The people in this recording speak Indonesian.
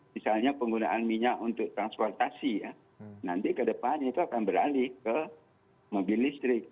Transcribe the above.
misalnya penggunaan minyak untuk transportasi ya nanti ke depannya itu akan beralih ke mobil listrik